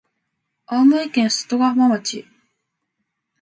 青森県外ヶ浜町